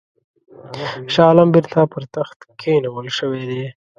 شاه عالم بیرته پر تخت کښېنول شوی دی.